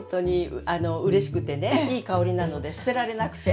うれしくてねいい香りなので捨てられなくて。